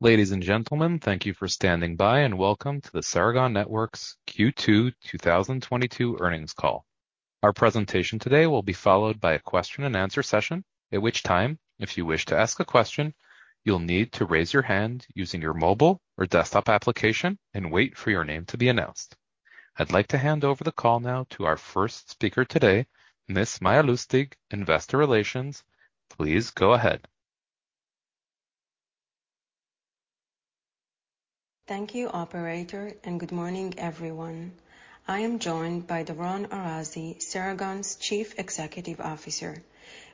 Ladies and gentlemen, thank you for standing by, and welcome to the Ceragon Networks Q2 2022 earnings call. Our presentation today will be followed by a question and answer session, at which time, if you wish to ask a question, you'll need to raise your hand using your mobile or desktop application and wait for your name to be announced. I'd like to hand over the call now to our first speaker today, Ms. Maya Lustig, Investor Relations. Please go ahead. Thank you, operator, and good morning, everyone. I am joined by Doron Arazi, Ceragon's Chief Executive Officer.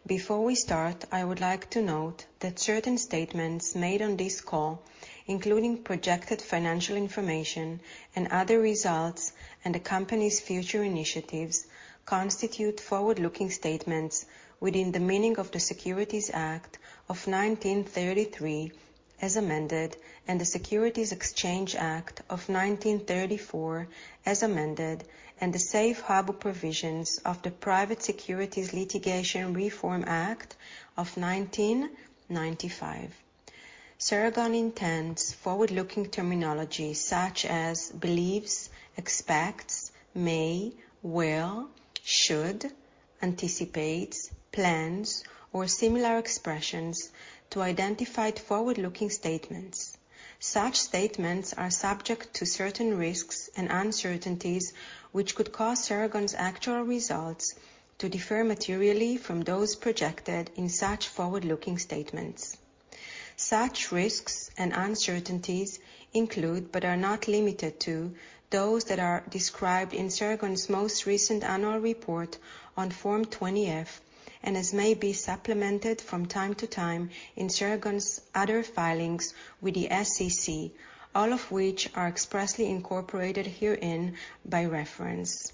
Before we start, I would like to note that certain statements made on this call, including projected financial information and other results, and the company's future initiatives, constitute forward-looking statements within the meaning of the Securities Act of 1933 as amended, and the Securities Exchange Act of 1934 as amended, and the safe harbor provisions of the Private Securities Litigation Reform Act of 1995. Ceragon intends forward-looking terminology such as believes, expects, may, will, should, anticipates, plans, or similar expressions to identify forward-looking statements. Such statements are subject to certain risks and uncertainties which could cause Ceragon's actual results to differ materially from those projected in such forward-looking statements. Such risks and uncertainties include, but are not limited to, those that are described in Ceragon's most recent annual report on Form 20-F, and as may be supplemented from time to time in Ceragon's other filings with the SEC, all of which are expressly incorporated herein by reference.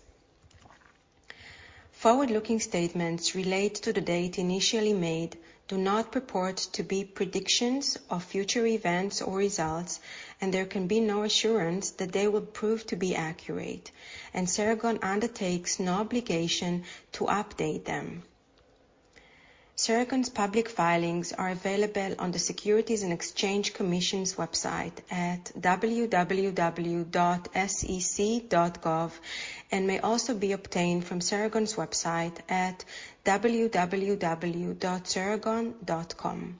Forward-looking statements relate to the date initially made, do not purport to be predictions of future events or results, and there can be no assurance that they will prove to be accurate, and Ceragon undertakes no obligation to update them. Ceragon's public filings are available on the Securities and Exchange Commission's website at www.sec.gov, and may also be obtained from Ceragon's website at www.ceragon.com.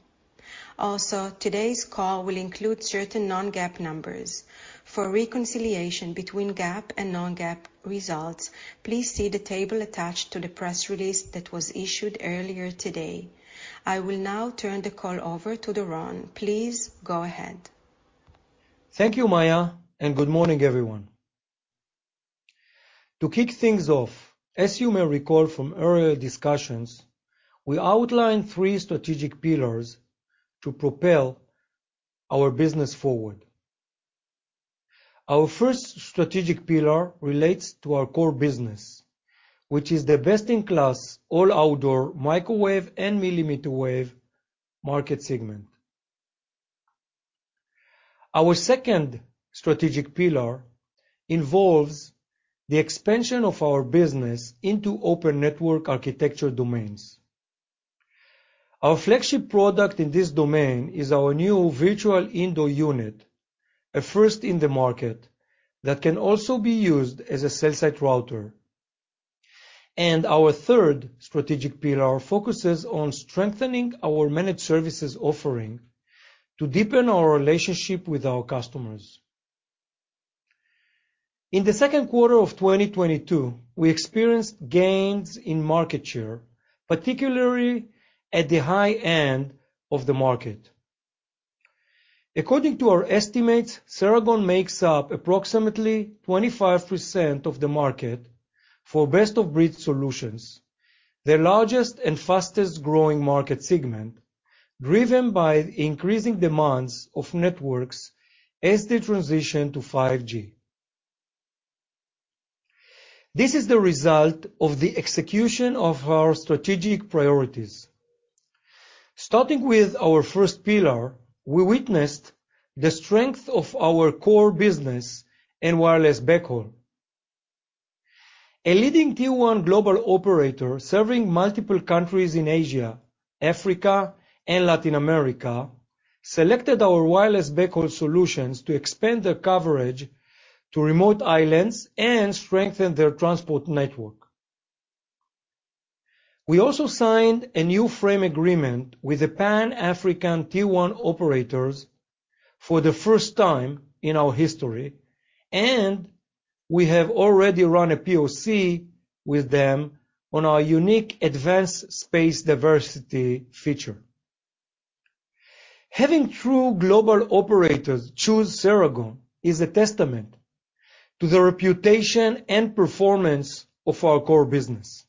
Also, today's call will include certain non-GAAP numbers. For reconciliation between GAAP and non-GAAP results, please see the table attached to the press release that was issued earlier today. I will now turn the call over to Doron. Please go ahead. Thank you, Maya, and good morning, everyone. To kick things off, as you may recall from earlier discussions, we outlined three strategic pillars to propel our business forward. Our first strategic pillar relates to our core business, which is the best-in-class all outdoor microwave and millimeter wave market segment. Our second strategic pillar involves the expansion of our business into open network architecture domains. Our flagship product in this domain is our new virtual indoor unit, a first in the market, that can also be used as a cell site router. Our third strategic pillar focuses on strengthening our managed services offering to deepen our relationship with our customers. In the second quarter of 2022, we experienced gains in market share, particularly at the high end of the market. According to our estimates, Ceragon makes up approximately 25% of the market for best-of-breed solutions, the largest and fastest-growing market segment, driven by increasing demands of networks as they transition to 5G. This is the result of the execution of our strategic priorities. Starting with our first pillar, we witnessed the strength of our core business in wireless backhaul. A leading Tier 1 global operator serving multiple countries in Asia, Africa, and Latin America selected our wireless backhaul solutions to expand their coverage to remote islands and strengthen their transport network. We also signed a new frame agreement with the Pan-African Tier 1 operators for the first time in our history, and we have already run a POC with them on our unique advanced space diversity feature. Having true global operators choose Ceragon is a testament to the reputation and performance of our core business.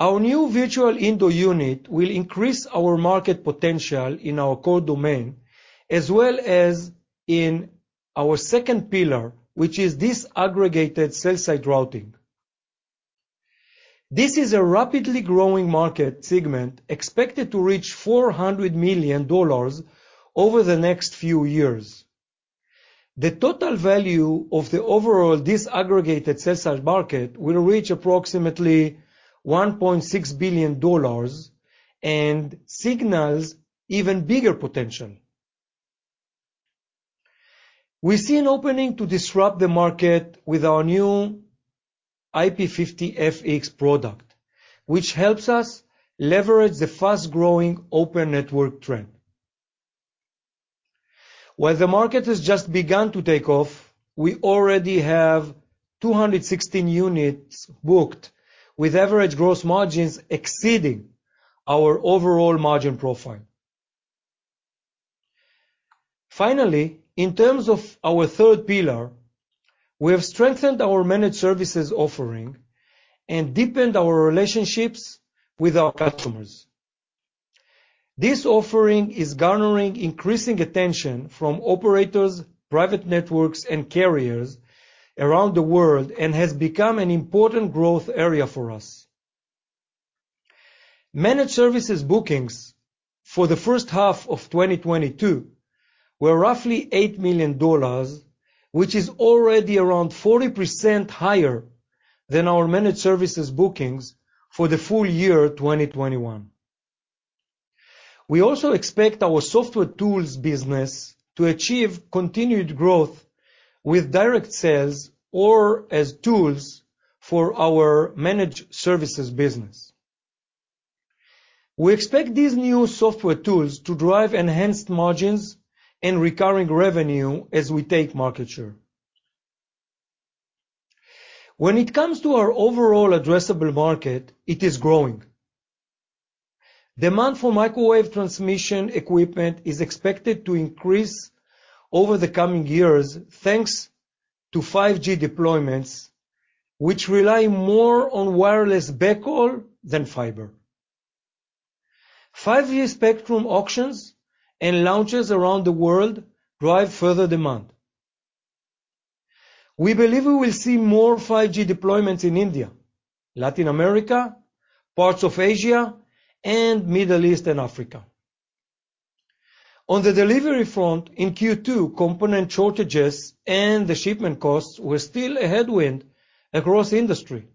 Our new virtual indoor unit will increase our market potential in our core domain as well as in our second pillar, which is disaggregated cell site routing. This is a rapidly growing market segment expected to reach $400 million over the next few years. The total value of the overall disaggregated cell site market will reach approximately $1.6 billion and signals even bigger potential. We see an opportunity to disrupt the market with our new IP-50FX product, which helps us leverage the fast-growing open network trend. While the market has just begun to take off, we already have 216 units booked, with average gross margins exceeding our overall margin profile. Finally, in terms of our third pillar, we have strengthened our managed services offering and deepened our relationships with our customers. This offering is garnering increasing attention from operators, private networks, and carriers around the world, and has become an important growth area for us. Managed services bookings for the first half of 2022 were roughly $8 million, which is already around 40% higher than our managed services bookings for the full year 2021. We also expect our software tools business to achieve continued growth with direct sales or as tools for our managed services business. We expect these new software tools to drive enhanced margins and recurring revenue as we take market share. When it comes to our overall addressable market, it is growing. Demand for microwave transmission equipment is expected to increase over the coming years, thanks to 5G deployments, which rely more on wireless backhaul than fiber. 5G spectrum auctions and launches around the world drive further demand. We believe we will see more 5G deployments in India, Latin America, parts of Asia, and Middle East, and Africa. On the delivery front in Q2, component shortages and the shipment costs were still a headwind across the industry.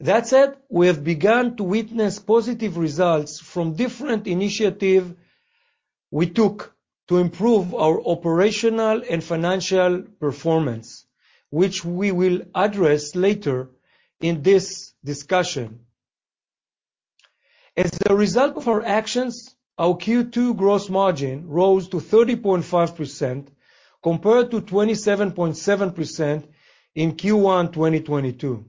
That said, we have begun to witness positive results from different initiative we took to improve our operational and financial performance, which we will address later in this discussion. As a result of our actions, our Q2 gross margin rose to 30.5% compared to 27.7% in Q1 2022.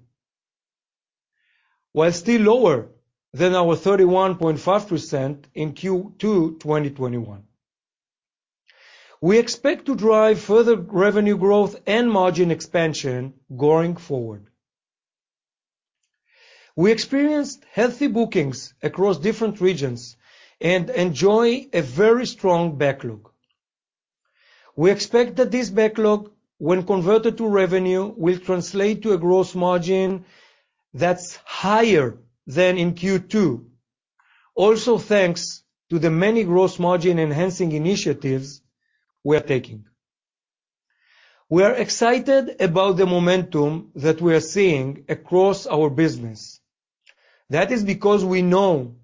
While still lower than our 31.5% in Q2 2021. We expect to drive further revenue growth and margin expansion going forward. We experienced healthy bookings across different regions and enjoy a very strong backlog. We expect that this backlog, when converted to revenue, will translate to a gross margin that's higher than in Q2, also thanks to the many gross margin enhancing initiatives we are taking. We are excited about the momentum that we are seeing across our business. That is because we know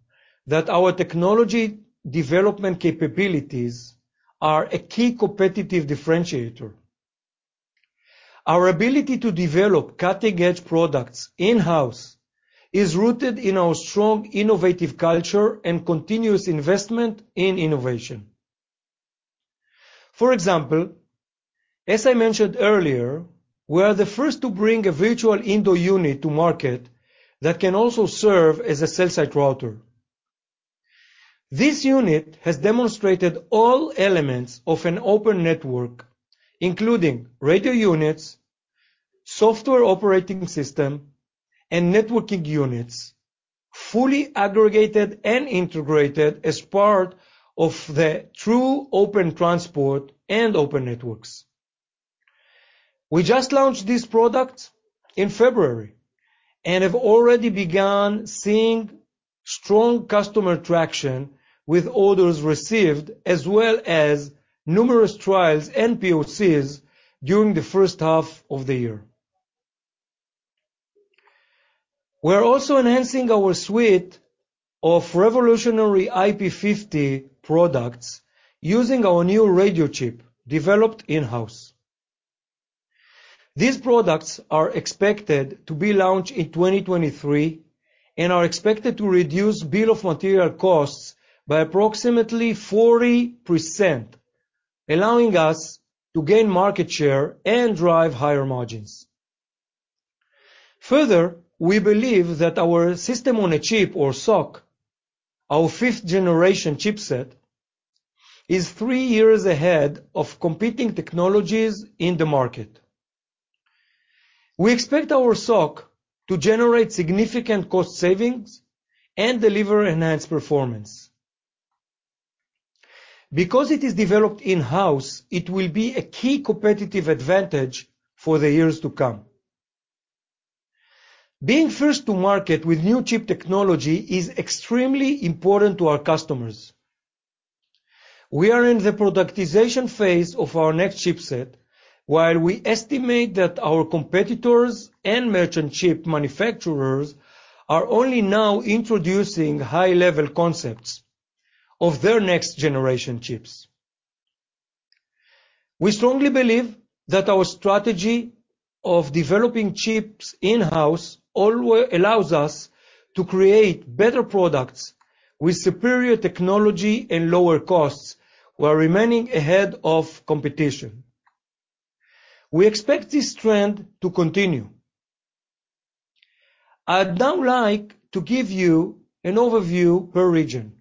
that our technology development capabilities are a key competitive differentiator. Our ability to develop cutting-edge products in-house is rooted in our strong innovative culture and continuous investment in innovation. For example, as I mentioned earlier, we are the first to bring a virtual indoor unit to market that can also serve as a cell site router. This unit has demonstrated all elements of an open network, including radio units, software operating system, and networking units, fully aggregated and integrated as part of the true open transport and open networks. We just launched this product in February and have already begun seeing strong customer traction with orders received, as well as numerous trials and POCs during the first half of the year. We're also enhancing our suite of revolutionary IP-50 products using our new radio chip developed in-house. These products are expected to be launched in 2023 and are expected to reduce bill of material costs by approximately 40%, allowing us to gain market share and drive higher margins. Further, we believe that our system on a chip or SoC, our 5th generation chipset, is three years ahead of competing technologies in the market. We expect our SoC to generate significant cost savings and deliver enhanced performance. Because it is developed in-house, it will be a key competitive advantage for the years to come. Being first to market with new chip technology is extremely important to our customers. We are in the productization phase of our next chipset, while we estimate that our competitors and merchant chip manufacturers are only now introducing high-level concepts of their next generation chips. We strongly believe that our strategy of developing chips in-house allows us to create better products with superior technology and lower costs while remaining ahead of competition. We expect this trend to continue. I'd now like to give you an overview per region.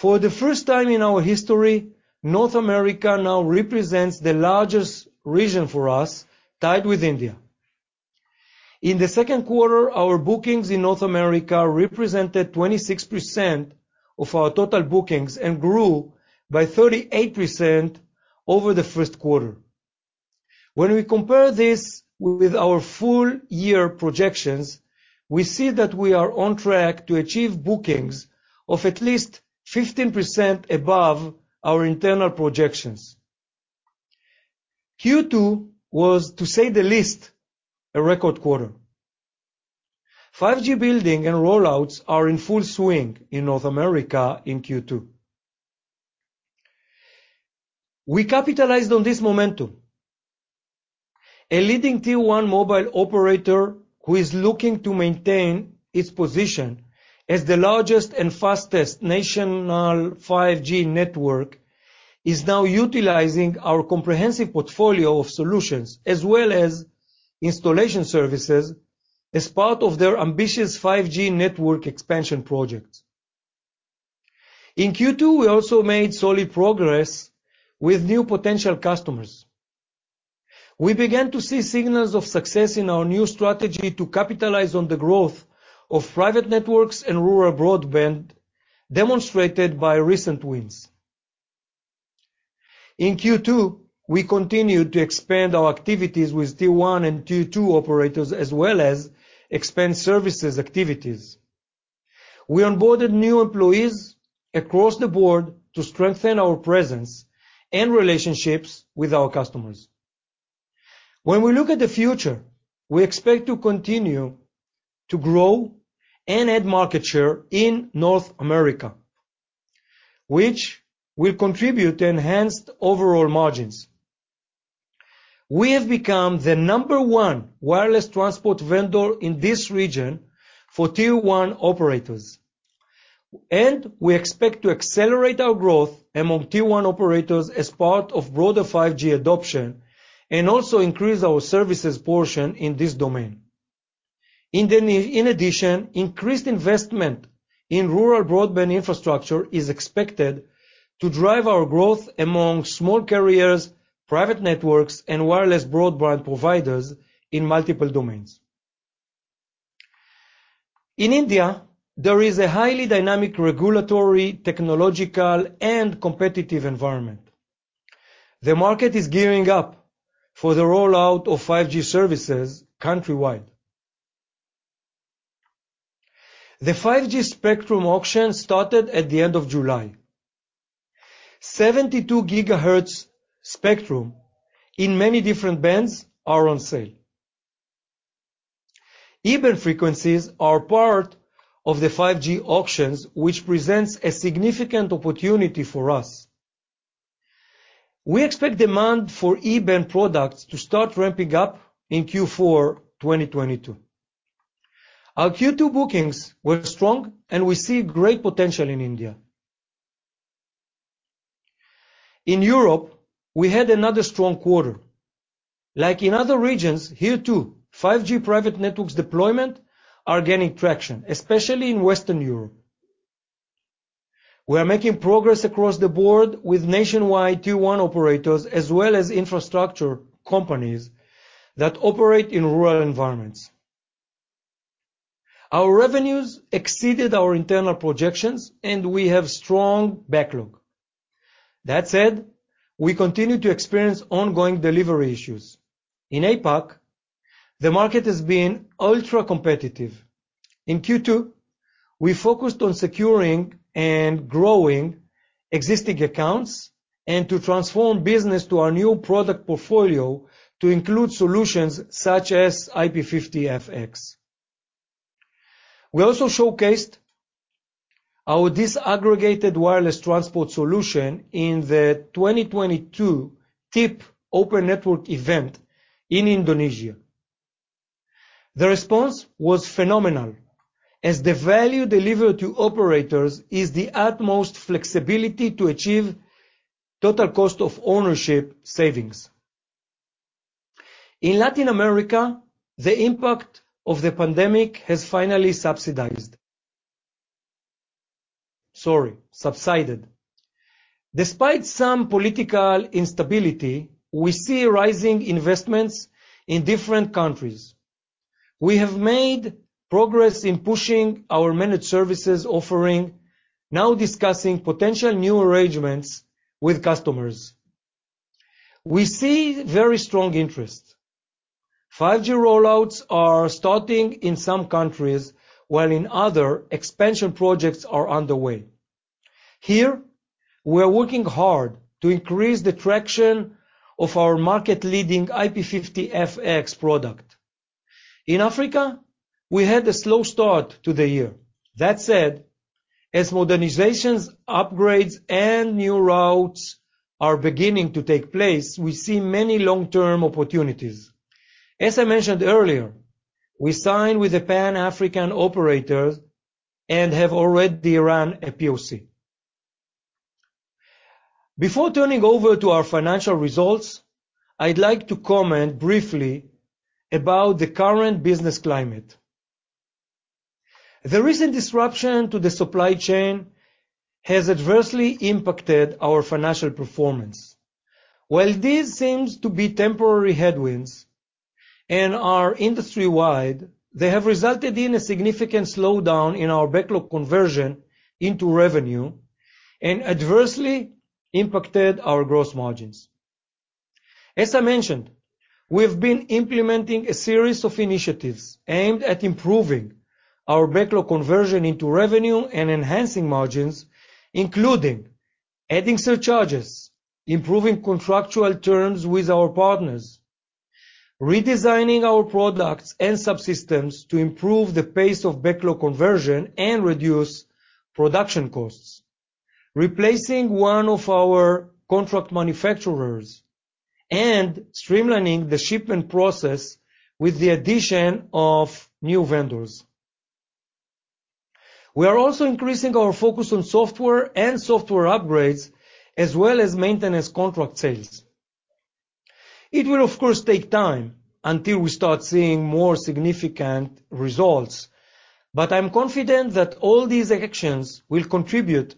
For the first time in our history, North America now represents the largest region for us, tied with India. In the second quarter, our bookings in North America represented 26% of our total bookings and grew by 38% over the first quarter. When we compare this with our full year projections, we see that we are on track to achieve bookings of at least 15% above our internal projections. Q2 was, to say the least, a record quarter. 5G building and roll-outs are in full swing in North America in Q2. We capitalized on this momentum. A leading Tier 1 mobile operator who is looking to maintain its position as the largest and fastest national 5G network is now utilizing our comprehensive portfolio of solutions as well as installation services as part of their ambitious 5G network expansion project. In Q2, we also made solid progress with new potential customers. We began to see signals of success in our new strategy to capitalize on the growth of private networks and rural broadband, demonstrated by recent wins. In Q2, we continued to expand our activities with Tier 1 and tier two operators, as well as expand services activities. We onboarded new employees across the board to strengthen our presence and relationships with our customers. When we look at the future, we expect to continue to grow and add market share in North America, which will contribute to enhanced overall margins. We have become the number 1 wireless transport vendor in this region for Tier 1 operators, and we expect to accelerate our growth among Tier 1 operators as part of broader 5G adoption, and also increase our services portion in this domain. In addition, increased investment in rural broadband infrastructure is expected to drive our growth among small carriers, private networks, and wireless broadband providers in multiple domains. In India, there is a highly dynamic regulatory, technological, and competitive environment. The market is gearing up for the rollout of 5G services countrywide. The 5G spectrum auction started at the end of July. 72 gigahertz spectrum in many different bands are on sale. E-band frequencies are part of the 5G auctions, which presents a significant opportunity for us. We expect demand for E-band products to start ramping up in Q4 2022. Our Q2 bookings were strong, and we see great potential in India. In Europe, we had another strong quarter. Like in other regions, here too, 5G private networks deployment are gaining traction, especially in Western Europe. We are making progress across the board with nationwide Tier 1 operators as well as infrastructure companies that operate in rural environments. Our revenues exceeded our internal projections, and we have strong backlog. That said, we continue to experience ongoing delivery issues. In APAC, the market has been ultra-competitive. In Q2, we focused on securing and growing existing accounts and to transform business to our new product portfolio to include solutions such as IP-50FX. We also showcased our disaggregated wireless transport solution in the 2022 TIP Open Network Event in Indonesia. The response was phenomenal as the value delivered to operators is the utmost flexibility to achieve total cost of ownership savings. In Latin America, the impact of the pandemic has finally subsided. Despite some political instability, we see rising investments in different countries. We have made progress in pushing our managed services offering, now discussing potential new arrangements with customers. We see very strong interest. 5G rollouts are starting in some countries, while in other expansion projects are underway. Here, we're working hard to increase the traction of our market-leading IP-50FX product. In Africa, we had a slow start to the year. That said, as modernizations, upgrades, and new routes are beginning to take place, we see many long-term opportunities. As I mentioned earlier, we signed with a Pan-African operator and have already run a POC. Before turning over to our financial results, I'd like to comment briefly about the current business climate. The recent disruption to the supply chain has adversely impacted our financial performance. While this seems to be temporary headwinds and are industry-wide, they have resulted in a significant slowdown in our backlog conversion into revenue and adversely impacted our gross margins. As I mentioned, we have been implementing a series of initiatives aimed at improving our backlog conversion into revenue and enhancing margins, including adding surcharges, improving contractual terms with our partners, redesigning our products and subsystems to improve the pace of backlog conversion and reduce production costs, replacing one of our contract manufacturers, and streamlining the shipping process with the addition of new vendors. We are also increasing our focus on software and software upgrades as well as maintenance contract sales. It will of course, take time until we start seeing more significant results, but I'm confident that all these actions will contribute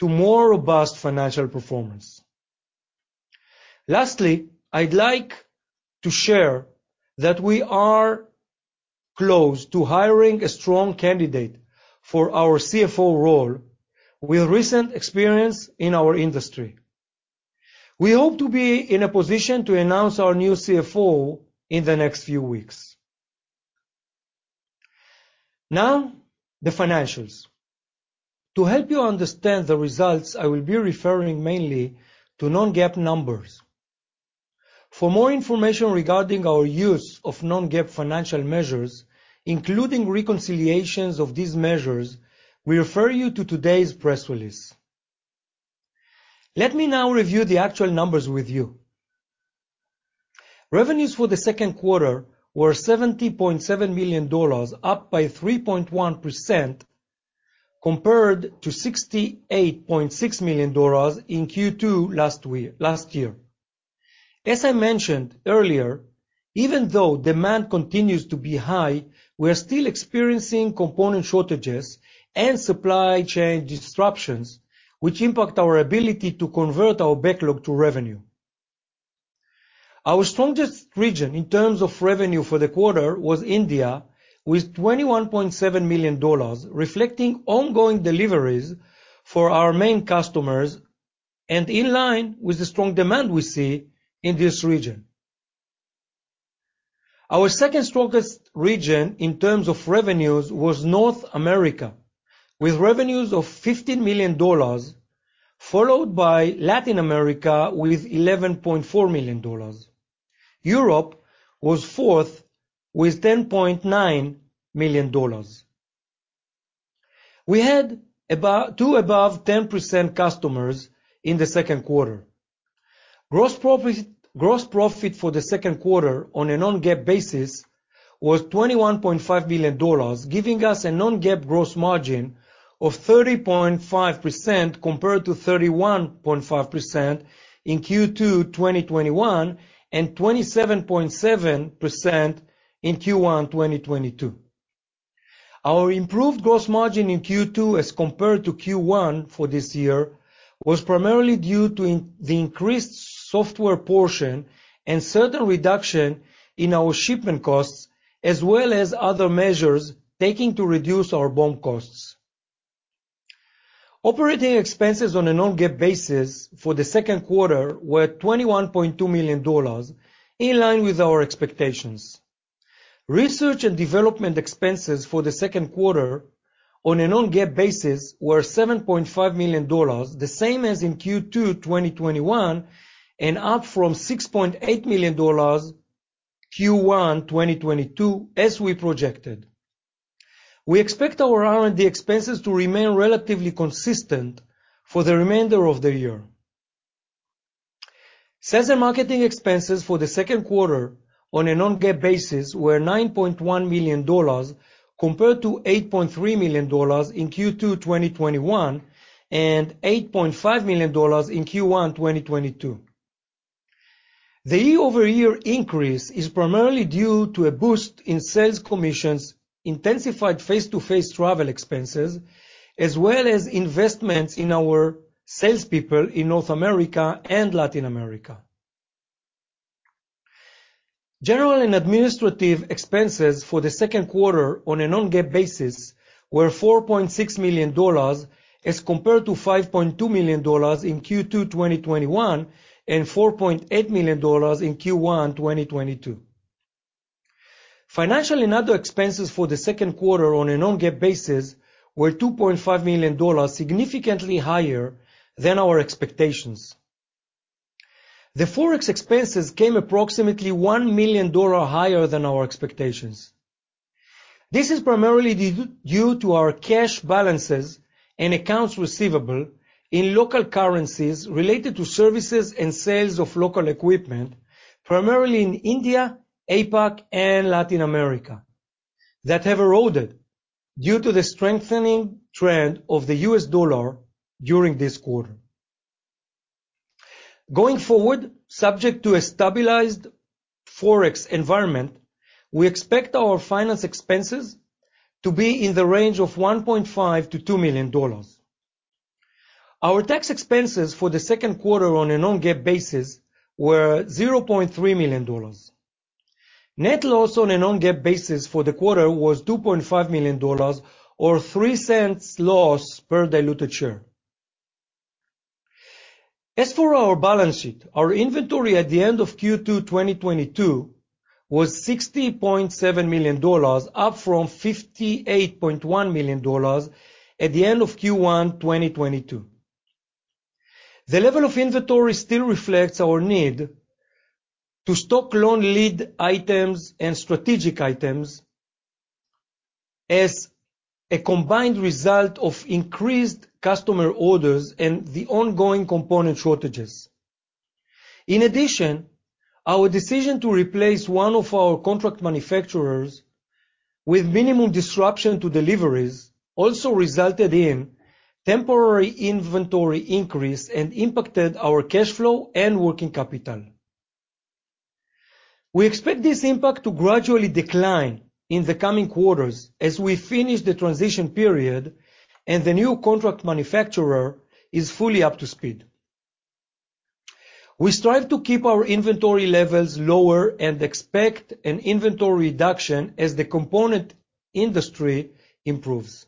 to more robust financial performance. Lastly, I'd like to share that we are close to hiring a strong candidate for our CFO role with recent experience in our industry. We hope to be in a position to announce our new CFO in the next few weeks. Now, the financials. To help you understand the results, I will be referring mainly to non-GAAP numbers. For more information regarding our use of non-GAAP financial measures, including reconciliations of these measures, we refer you to today's press release. Let me now review the actual numbers with you. Revenues for the second quarter were $70.7 million, up by 3.1% compared to $68.6 million in Q2 last year. As I mentioned earlier, even though demand continues to be high, we are still experiencing component shortages and supply chain disruptions, which impact our ability to convert our backlog to revenue. Our strongest region in terms of revenue for the quarter was India, with $21.7 million, reflecting ongoing deliveries for our main customers and in line with the strong demand we see in this region. Our second-strongest region in terms of revenues was North America, with revenues of $15 million, followed by Latin America with $11.4 million. Europe was fourth with $10.9 million. We had about two above 10% customers in the second quarter. Gross profit for the second quarter on a non-GAAP basis was $21.5 million, giving us a non-GAAP gross margin of 30.5% compared to 31.5% in Q2 2021 and 27.7% in Q1 2022. Our improved gross margin in Q2 as compared to Q1 for this year was primarily due to the increased software portion and certain reduction in our shipment costs, as well as other measures taken to reduce our BOM costs. Operating expenses on a non-GAAP basis for the second quarter were $21.2 million in line with our expectations. Research and development expenses for the second quarter on a non-GAAP basis were $7.5 million, the same as in Q2 2021, and up from $6.8 million in Q1 2022, as we projected. We expect our R&D expenses to remain relatively consistent for the remainder of the year. Sales and marketing expenses for the second quarter on a non-GAAP basis were $9.1 million compared to $8.3 million in Q2 2021 and $8.5 million in Q1 2022. The year-over-year increase is primarily due to a boost in sales commissions, intensified face-to-face travel expenses, as well as investments in our salespeople in North America and Latin America. General and administrative expenses for the second quarter on a non-GAAP basis were $4.6 million as compared to $5.2 million in Q2 2021 and $4.8 million in Q1 2022. Financial and other expenses for the second quarter on a non-GAAP basis were $2.5 million, significantly higher than our expectations. The Forex expenses came approximately $1 million higher than our expectations. This is primarily due to our cash balances and accounts receivable in local currencies related to services and sales of local equipment, primarily in India, APAC, and Latin America, that have eroded due to the strengthening trend of the U.S. dollar during this quarter. Going forward, subject to a stabilized Forex environment, we expect our finance expenses to be in the range of $1.5 million-$2 million. Our tax expenses for the second quarter on a non-GAAP basis were $0.3 million. Net loss on a non-GAAP basis for the quarter was $2.5 million or $0.03 loss per diluted share. As for our balance sheet, our inventory at the end of Q2 2022 was $60.7 million, up from $58.1 million at the end of Q1 2022. The level of inventory still reflects our need to stock long lead items and strategic items as a combined result of increased customer orders and the ongoing component shortages. In addition, our decision to replace one of our contract manufacturers with minimum disruption to deliveries also resulted in temporary inventory increase and impacted our cash flow and working capital. We expect this impact to gradually decline in the coming quarters as we finish the transition period and the new contract manufacturer is fully up to speed. We strive to keep our inventory levels lower and expect an inventory reduction as the component industry improves.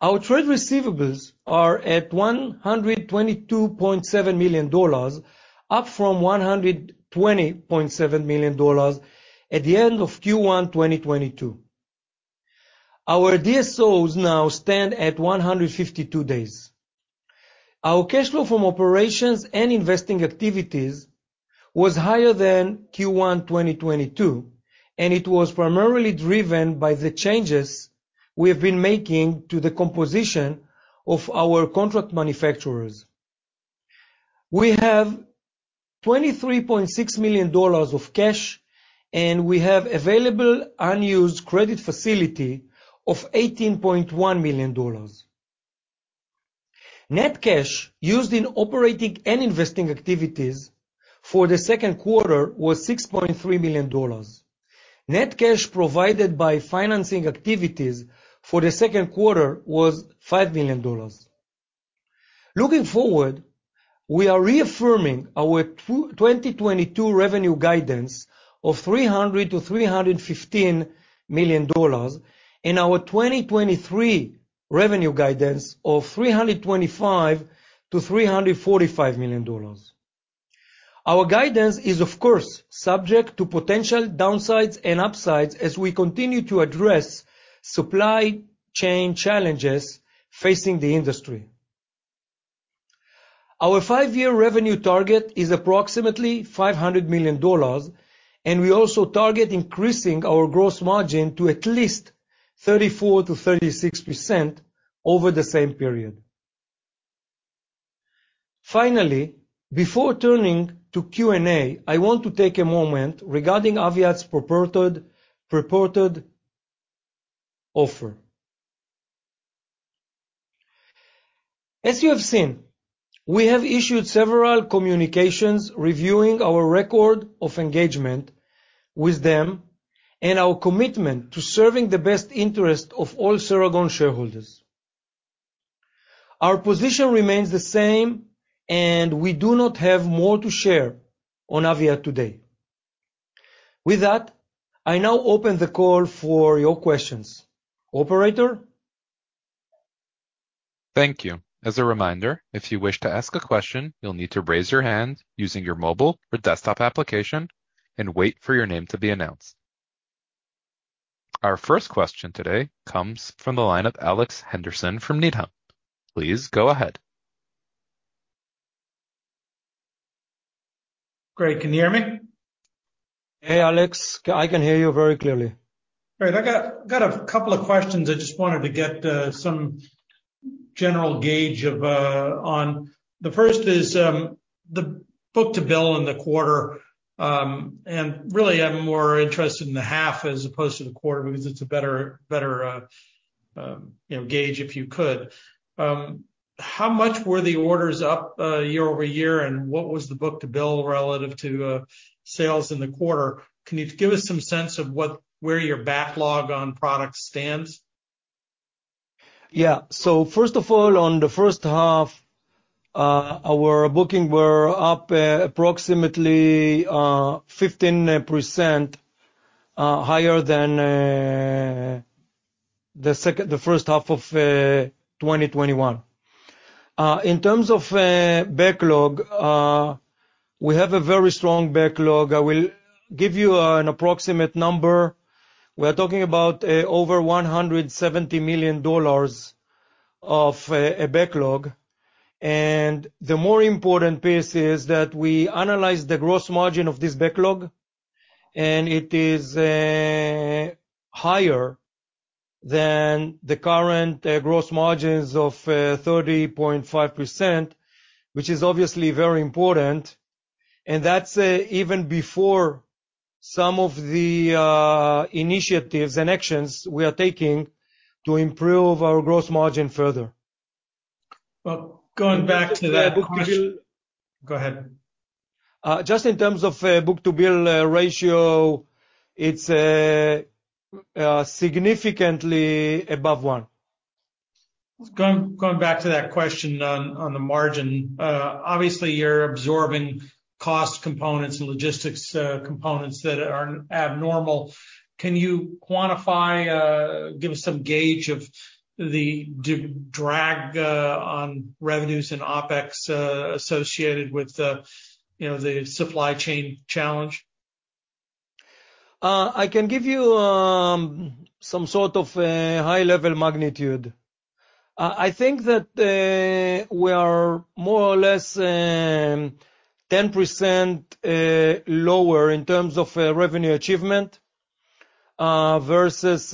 Our trade receivables are at $122.7 million, up from $120.7 million at the end of Q1 2022. Our DSOs now stand at 152 days. Our cash flow from operations and investing activities was higher than Q1 2022, and it was primarily driven by the changes we have been making to the composition of our contract manufacturers. We have $23.6 million of cash, and we have available unused credit facility of $18.1 million. Net cash used in operating and investing activities for the second quarter was $6.3 million. Net cash provided by financing activities for the second quarter was $5 million. Looking forward, we are reaffirming our 2022 revenue guidance of $300 million-$315 million and our 2023 revenue guidance of $325 million-$345 million. Our guidance is, of course, subject to potential downsides and upsides as we continue to address supply chain challenges facing the industry. Our five-year revenue target is approximately $500 million, and we also target increasing our gross margin to at least 34%-36% over the same period. Finally, before turning to Q&A, I want to take a moment regarding Aviat's purported offer. As you have seen, we have issued several communications reviewing our record of engagement with them and our commitment to serving the best interest of all Ceragon shareholders. Our position remains the same, and we do not have more to share on Aviat today. With that, I now open the call for your questions. Operator? Thank you. As a reminder, if you wish to ask a question, you'll need to raise your hand using your mobile or desktop application and wait for your name to be announced. Our first question today comes from the line of Alex Henderson from Needham. Please go ahead. Great. Can you hear me? Hey, Alex. I can hear you very clearly. All right. I got a couple of questions I just wanted to get some general gauge of on. The first is the book-to-bill in the quarter. Really, I'm more interested in the half as opposed to the quarter because it's a better you know gauge, if you could. How much were the orders up year-over-year, and what was the book-to-bill relative to sales in the quarter? Can you give us some sense of where your backlog on product stands? Yeah. First of all, on the first half, our bookings were up approximately 15% higher than the first half of 2021. In terms of backlog, we have a very strong backlog. I will give you an approximate number. We're talking about over $170 million of a backlog. The more important piece is that we analyze the gross margin of this backlog, and it is higher than the current gross margins of 30.5%, which is obviously very important. That's even before some of the initiatives and actions we are taking to improve our gross margin further. Well, going back to that question. In terms of book-to-bill. Go ahead. Just in terms of book-to-bill ratio, it's significantly above one. Going back to that question on the margin. Obviously you're absorbing cost components and logistics components that are abnormal. Can you quantify, give us some gauge of the drag on revenues and OpEx associated with the, you know, the supply chain challenge? I can give you some sort of high-level magnitude. I think that we are more or less 10% lower in terms of revenue achievement versus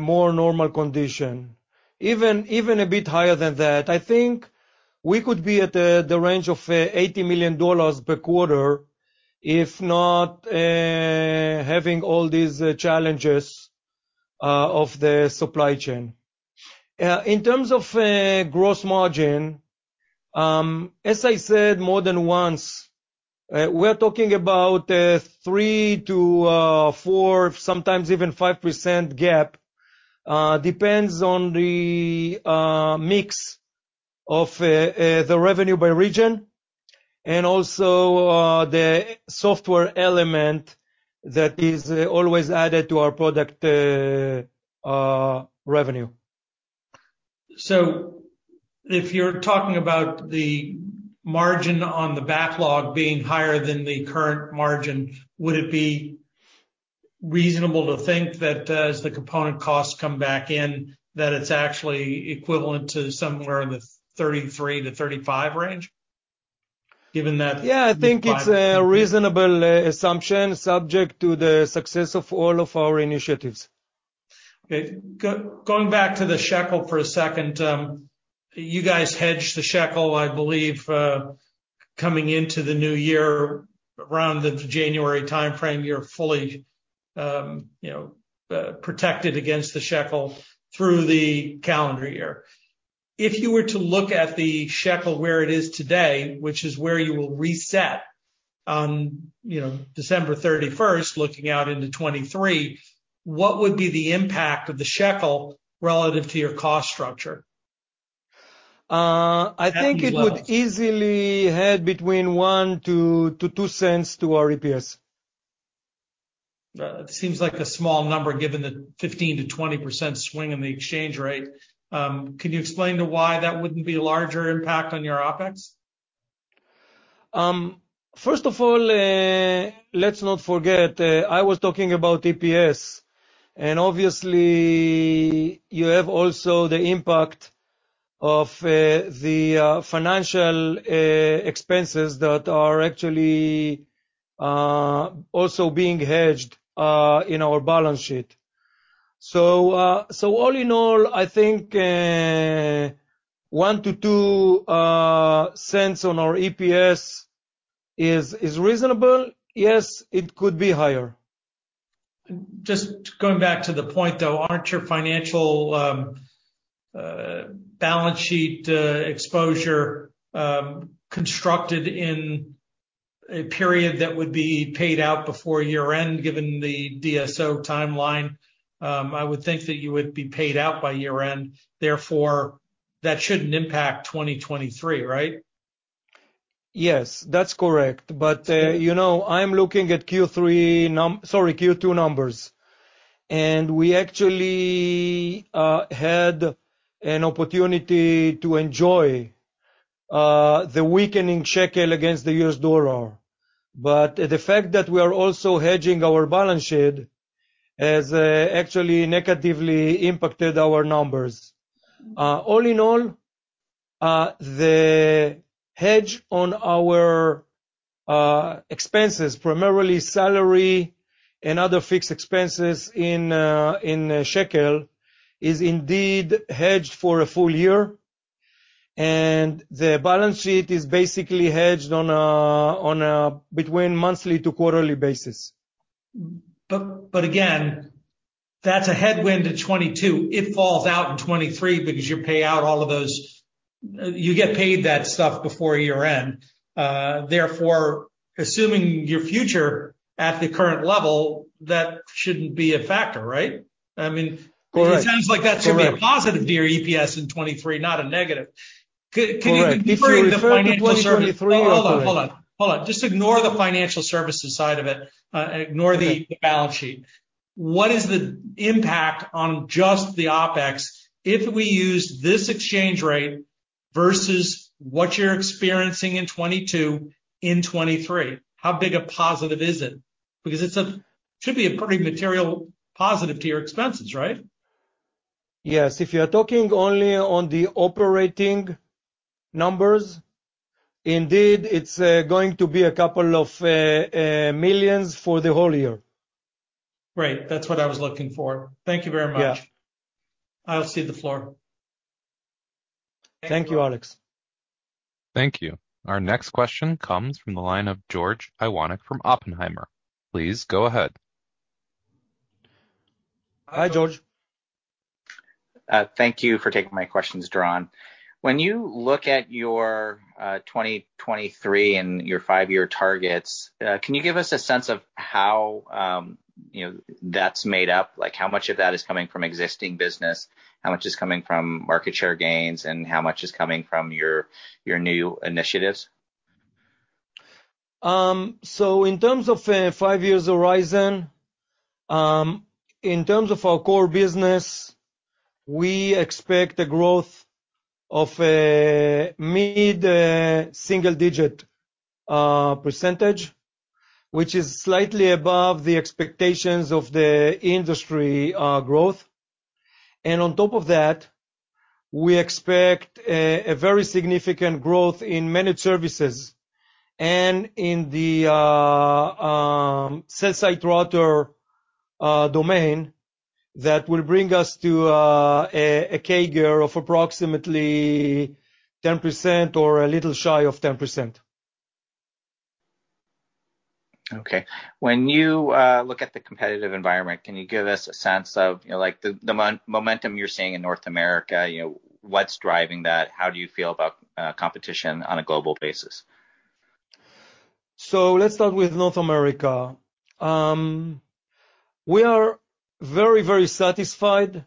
more normal condition. Even a bit higher than that. I think we could be at the range of $80 million per quarter if not having all these challenges of the supply chain. In terms of gross margin, as I said more than once, we're talking about 3%-4%, sometimes even 5% gap. Depends on the mix of the revenue by region and also the software element that is always added to our product revenue. If you're talking about the margin on the backlog being higher than the current margin, would it be reasonable to think that, as the component costs come back in, that it's actually equivalent to somewhere in the 33%-35% range? Yeah, I think it's a reasonable assumption, subject to the success of all of our initiatives. Okay. Going back to the shekel for a second. You guys hedged the shekel, I believe, coming into the new year. Around the January timeframe, you're fully, you know, protected against the shekel through the calendar year. If you were to look at the shekel where it is today, which is where you will reset on, you know, December 31st, looking out into 2023, what would be the impact of the shekel relative to your cost structure? I think it would easily add between $0.01-$0.02 to our EPS. It seems like a small number given the 15%-20% swing in the exchange rate. Can you explain to why that wouldn't be a larger impact on your OpEx? First of all, let's not forget, I was talking about EPS, and obviously you have also the impact of the financial expenses that are actually also being hedged in our balance sheet. All in all, I think $0.01-$0.02 on our EPS is reasonable. Yes, it could be higher. Just going back to the point, though, aren't your financial balance sheet exposure constructed in a period that would be paid out before year-end, given the DSO timeline? I would think that you would be paid out by year-end, therefore that shouldn't impact 2023, right? Yes, that's correct. You know, I'm looking at Q2 numbers. We actually had an opportunity to enjoy the weakening shekel against the US dollar. The fact that we are also hedging our balance sheet has actually negatively impacted our numbers. All in all, the hedge on our expenses, primarily salary and other fixed expenses in shekel, is indeed hedged for a full year, and the balance sheet is basically hedged on a monthly to quarterly basis. Again, that's a headwind to 2022. It falls out in 2023 because you get paid that stuff before year-end. Therefore, assuming your future at the current level, that shouldn't be a factor, right? I mean Correct. It sounds like that should be a positive to your EPS in 2023, not a negative. Can you defer the financial service- If you refer to 2023. Hold on. Just ignore the financial services side of it, ignore the balance sheet. What is the impact on just the OpEx if we use this exchange rate versus what you're experiencing in 2022, in 2023? How big a positive is it? Because it should be a pretty material positive to your expenses, right? Yes. If you're talking only on the operating numbers, indeed, it's going to be $2 million for the whole year. Great. That's what I was looking for. Thank you very much. Yeah. I'll cede the floor. Thank you, Alex. Thank you. Our next question comes from the line of George Iwanyc from Oppenheimer. Please go ahead. Hi, George. Thank you for taking my questions, Doron. When you look at your 2023 and your five-year targets, can you give us a sense of how, you know, that's made up? Like, how much of that is coming from existing business? How much is coming from market share gains, and how much is coming from your new initiatives? In terms of five-year horizon, in terms of our core business, we expect a growth of mid-single-digit percentage, which is slightly above the expectations of the industry growth. On top of that, we expect a very significant growth in managed services and in the cell site router domain that will bring us to a CAGR of approximately 10% or a little shy of 10%. Okay. When you look at the competitive environment, can you give us a sense of, you know, like the momentum you're seeing in North America? You know, what's driving that? How do you feel about competition on a global basis? Let's start with North America. We are very, very satisfied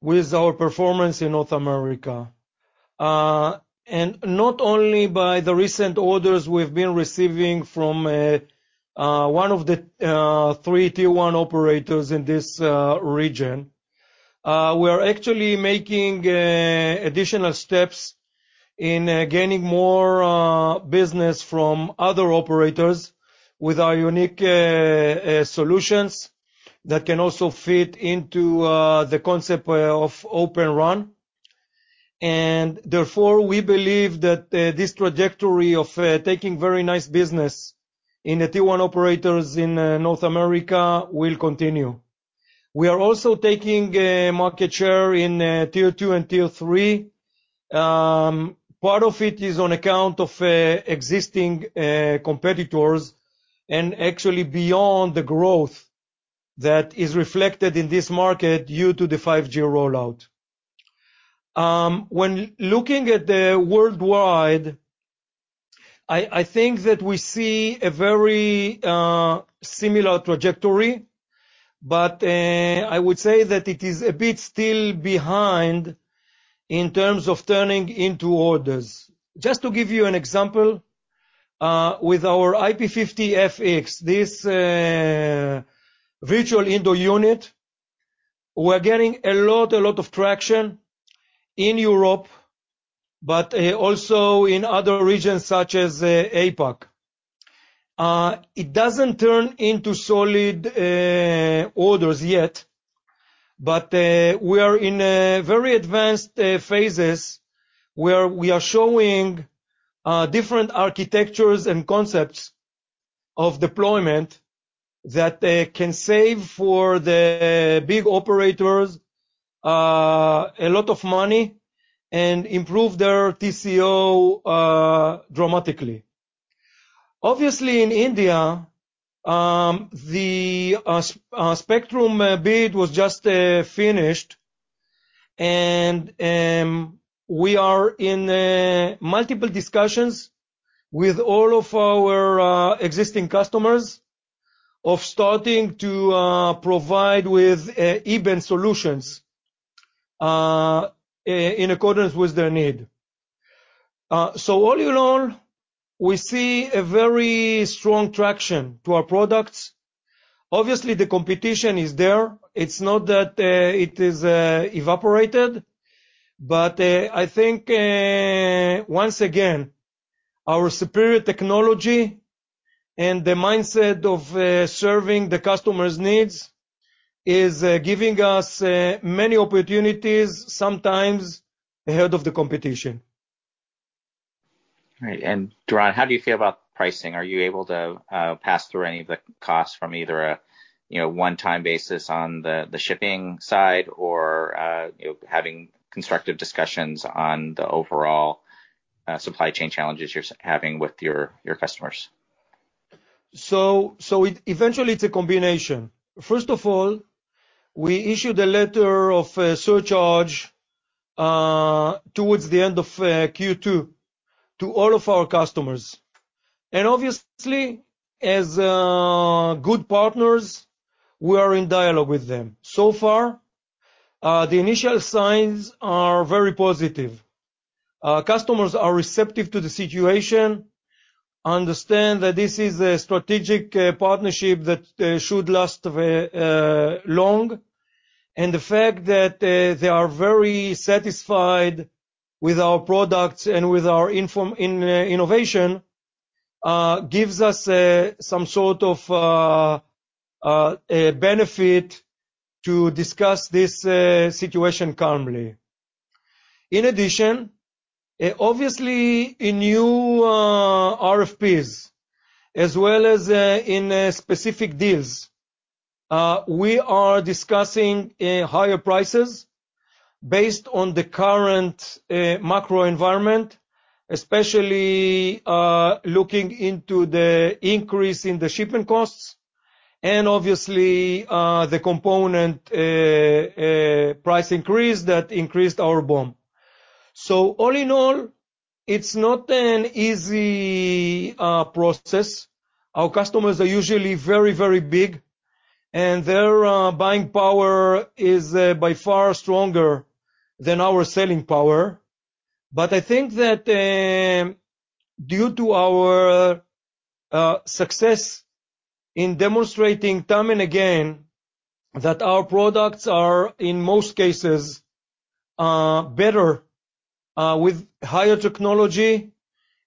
with our performance in North America. Not only by the recent orders we've been receiving from one of the three Tier 1 operators in this region. We are actually making additional steps in gaining more business from other operators with our unique solutions that can also fit into the concept of Open RAN. Therefore, we believe that this trajectory of taking very nice business in the Tier 1 operators in North America will continue. We are also taking market share in tier two and tier three. Part of it is on account of existing competitors and actually beyond the growth that is reflected in this market due to the 5G rollout. When looking at the worldwide, I think that we see a very similar trajectory, but I would say that it is a bit still behind in terms of turning into orders. Just to give you an example, with our IP-50FX, this virtual indoor unit, we're getting a lot of traction in Europe, but also in other regions such as APAC. It doesn't turn into solid orders yet, but we are in very advanced phases where we are showing different architectures and concepts of deployment that can save the big operators a lot of money and improve their TCO dramatically. Obviously, in India, the spectrum bid was just finished, and we are in multiple discussions with all of our existing customers of starting to provide with E-band solutions in accordance with their need. All in all, we see a very strong traction to our products. Obviously, the competition is there. It's not that it is evaporated, but I think once again, our superior technology and the mindset of serving the customer's needs is giving us many opportunities, sometimes ahead of the competition. Right. Doron, how do you feel about pricing? Are you able to pass through any of the costs from either a you know one-time basis on the shipping side or you know having constructive discussions on the overall supply chain challenges you're having with your customers? It's eventually a combination. First of all, we issued a letter of surcharge towards the end of Q2 to all of our customers. Obviously, as good partners, we are in dialogue with them. So far, the initial signs are very positive. Customers are receptive to the situation, understand that this is a strategic partnership that should last long. The fact that they are very satisfied with our products and with our innovation gives us some sort of a benefit to discuss this situation calmly. In addition, obviously in new RFPs as well as in specific deals, we are discussing higher prices based on the current macro environment, especially looking into the increase in the shipping costs and obviously the component price increase that increased our BOM. All in all, it's not an easy process. Our customers are usually very big, and their buying power is by far stronger than our selling power. I think that due to our success in demonstrating time and again that our products are, in most cases, better with higher technology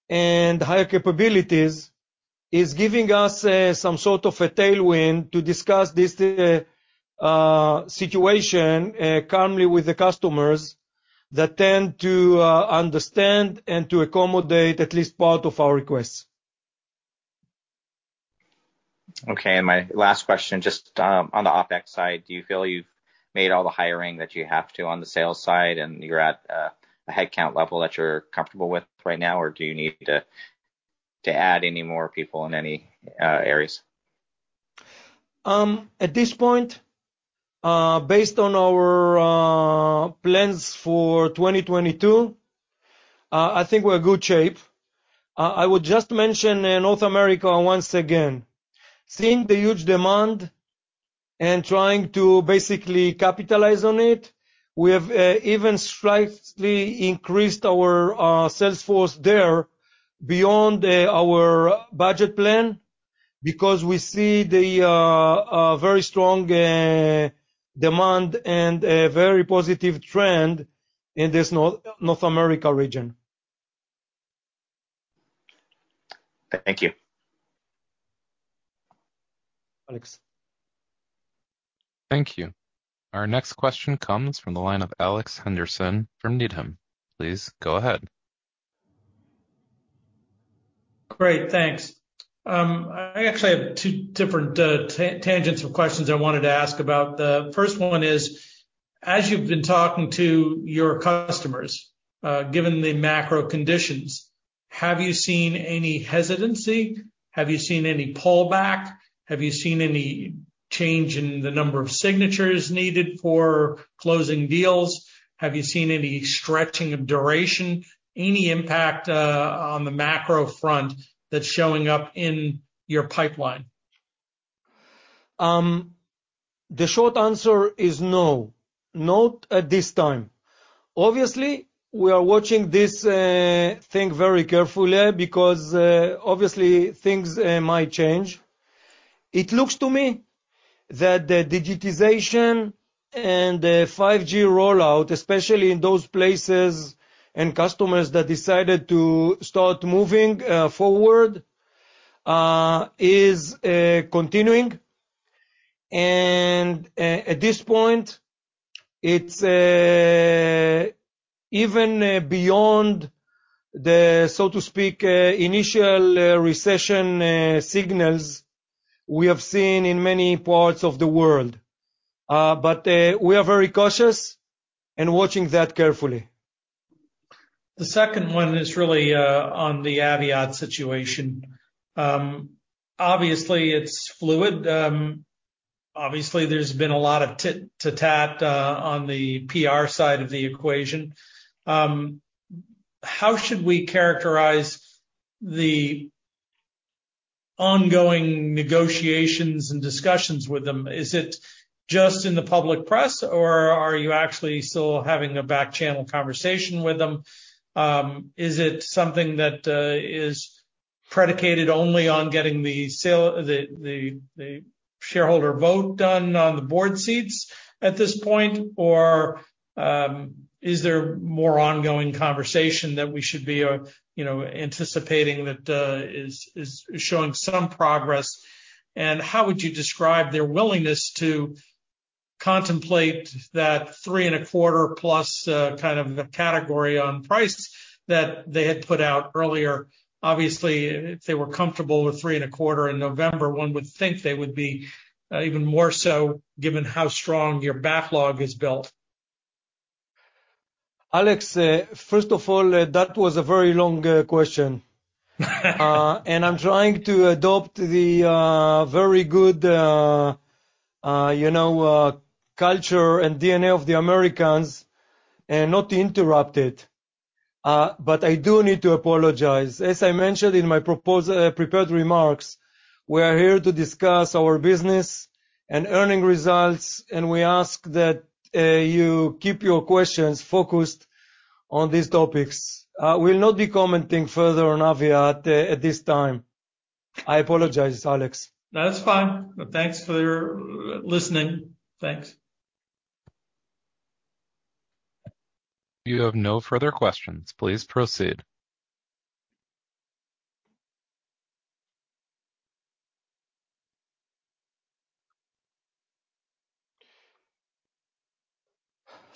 and higher capabilities, is giving us some sort of a tailwind to discuss this situation calmly with the customers that tend to understand and to accommodate at least part of our requests. Okay. My last question, just, on the OpEx side, do you feel you've made all the hiring that you have to on the sales side and you're at a headcount level that you're comfortable with right now? Or do you need to add any more people in any areas? At this point, based on our plans for 2022, I think we're in good shape. I would just mention in North America once again, seeing the huge demand and trying to basically capitalize on it, we have even slightly increased our sales force there beyond our budget plan because we see the very strong demand and a very positive trend in this North America region. Thank you. Alex. Thank you. Our next question comes from the line of Alex Henderson from Needham. Please go ahead. Great, thanks. I actually have two different tangents or questions I wanted to ask about. The first one is, as you've been talking to your customers, given the macro conditions, have you seen any hesitancy? Have you seen any pullback? Have you seen any change in the number of signatures needed for closing deals? Have you seen any stretching of duration, any impact on the macro front that's showing up in your pipeline? The short answer is no, not at this time. Obviously, we are watching this thing very carefully because obviously things might change. It looks to me that the digitization and the 5G rollout, especially in those places and customers that decided to start moving forward, is continuing. At this point, it's even beyond the so to speak initial recession signals we have seen in many parts of the world. We are very cautious and watching that carefully. The second one is really on the Aviat Networks situation. Obviously, it's fluid. Obviously, there's been a lot of tit-to-tat on the PR side of the equation. How should we characterize the ongoing negotiations and discussions with them? Is it just in the public press, or are you actually still having a back channel conversation with them? Is it something that is predicated only on getting the shareholder vote done on the board seats at this point? Is there more ongoing conversation that we should be you know anticipating that is showing some progress? How would you describe their willingness to contemplate that $3.25+ kind of category on price that they had put out earlier? Obviously, if they were comfortable with 3.25 in November, one would think they would be even more so given how strong your backlog is built. Alex, first of all, that was a very long question. I'm trying to adopt the very good you know culture and DNA of the Americans and not interrupt it. I do need to apologize. As I mentioned in my prepared remarks, we are here to discuss our business and earnings results, and we ask that you keep your questions focused on these topics. We'll not be commenting further on Aviat at this time. I apologize, Alex. No, that's fine. Thanks for your listening. Thanks. You have no further questions. Please proceed.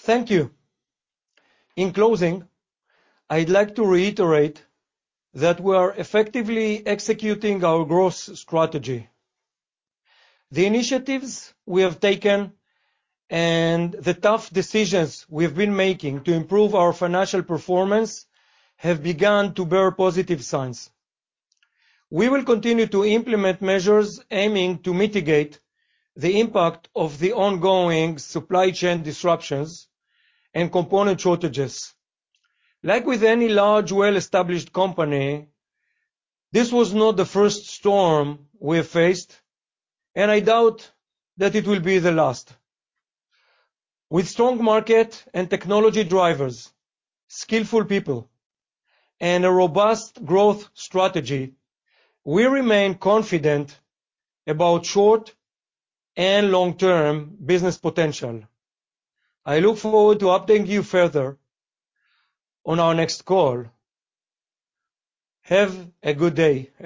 Thank you. In closing, I'd like to reiterate that we are effectively executing our growth strategy. The initiatives we have taken and the tough decisions we've been making to improve our financial performance have begun to bear positive signs. We will continue to implement measures aiming to mitigate the impact of the ongoing supply chain disruptions and component shortages. Like with any large, well-established company, this was not the first storm we have faced, and I doubt that it will be the last. With strong market and technology drivers, skillful people, and a robust growth strategy, we remain confident about short and long-term business potential. I look forward to updating you further on our next call. Have a good day.